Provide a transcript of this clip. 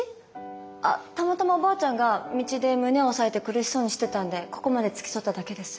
あったまたまおばあちゃんが道で胸を押さえて苦しそうにしてたんでここまで付き添っただけです。